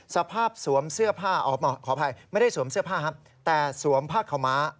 สวมเสื้อผ้าขออภัยไม่ได้สวมเสื้อผ้าครับแต่สวมผ้าขาวม้า